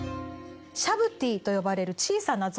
シャブティと呼ばれる小さな像。